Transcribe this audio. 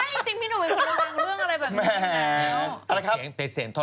ใช่จริงพี่หนูเป็นคนระวังเรื่องอะไรแบบนี้